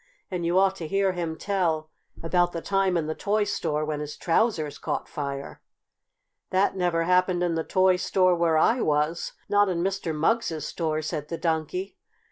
And you ought to hear him tell about the time in the toy store when his trousers caught fire!" "That never happened in the toy store where I was not in Mr. Mugg's store," said the Donkey.